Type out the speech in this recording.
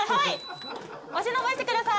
押し延ばしてください。